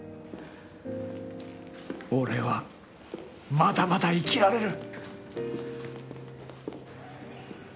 俺はまだまだ生きられる！